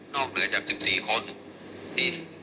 นอกเหลือจาก๑๔คน